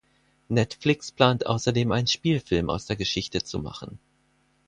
Netflix plant außerdem einen Spielfilm aus der Geschichte zu machen.